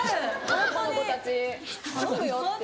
男の子たち頼むよっていう。